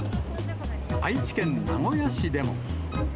愛知県名古屋市でも。